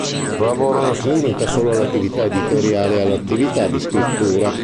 Il suo lavoro non si limita solo all'attività editoriale e all'attività di scrittura.